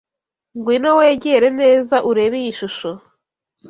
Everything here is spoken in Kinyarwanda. Ngwino wegere neza urebe iyi shusho.